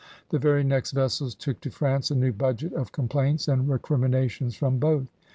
The very next vessels took to France a new budget of complaints and recrimi nations from both.